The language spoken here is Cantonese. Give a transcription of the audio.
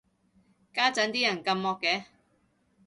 家陣啲人咁惡嘅